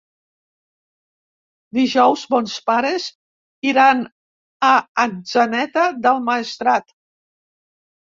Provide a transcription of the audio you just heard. Dijous mons pares iran a Atzeneta del Maestrat.